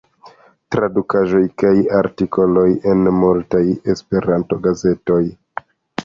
Tradukaĵoj kaj artikoloj en multaj Esperanto-gazetoj.